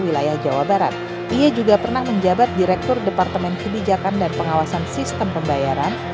ia juga pernah menjabat direktur departemen kebijakan dan pengawasan sistem pembayaran